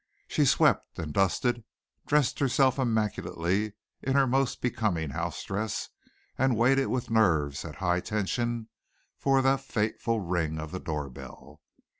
She swept and dusted, dressed herself immaculately in her most becoming house dress and waited with nerves at high tension for the fateful ring of the door bell.